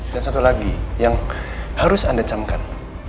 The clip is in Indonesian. dan satu lagi yang harus anda camkan